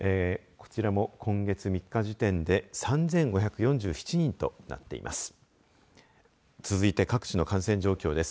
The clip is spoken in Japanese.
こちらも、今月３日時点で３５４７人となっています。